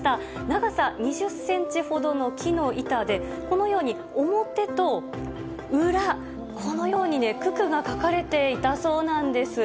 長さ２０センチほどの木の板で、このように、表と裏、このように九九が書かれていたそうなんです。